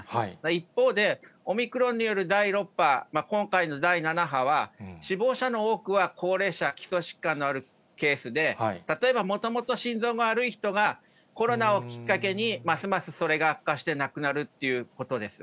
一方で、オミクロンによる第６波、今回の第７波は、死亡者の多くは高齢者、基礎疾患のあるケースで、例えば、もともと心臓が悪い人が、コロナをきっかけに、ますます、それが悪化して亡くなるっていうことです。